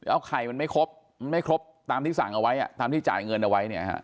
เอาไข่มันไม่ครบมันไม่ครบตามที่สั่งเอาไว้ตามที่จ่ายเงินเอาไว้เนี่ยฮะ